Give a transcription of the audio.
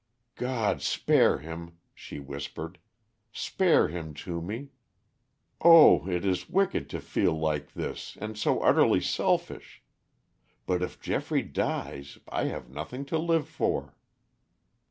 "God spare him," she whispered, "spare him to me! Oh, it is wicked to feel like this and so utterly selfish. But if Geoffrey dies I have nothing to live for."